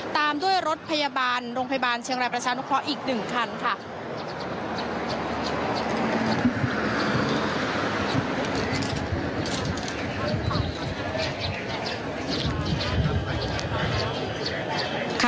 ตามด้วยรถพยาบาลโรงพยาบาลเชียงรายประชานุเคราะห์อีก๑คันค่ะ